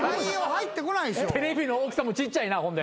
テレビの大きさもちっちゃいなほんで。